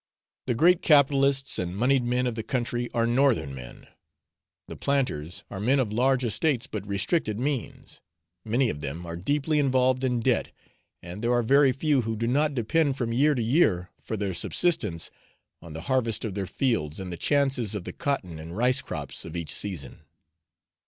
The great capitalists and monied men of the country are Northern men; the planters are men of large estates but restricted means many of them are deeply involved in debt, and there are very few who do not depend from year to year for their subsistence on the harvest of their fields and the chances of the cotton and rice crops of each season.